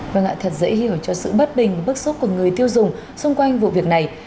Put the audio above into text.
vâng ạ thật dễ hiểu cho sự bất bình và bức xúc của người tiêu dùng xung quanh vụ việc này